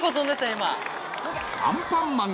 今。